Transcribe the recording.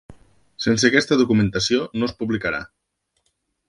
Sense aquesta documentació, no es publicarà.